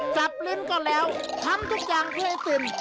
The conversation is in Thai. ลิ้นก็แล้วทำทุกอย่างเพื่อให้ติ่ม